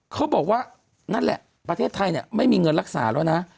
เขาบอกว่านั่นแหละประเทศไทยเนี่ยไม่มีเงินรักษาแล้วนะ